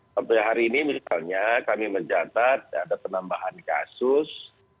sampai hari ini misalnya kami mencatat ada penambahan kasus